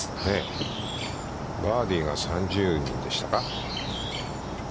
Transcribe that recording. バーディーが３０人でしたか。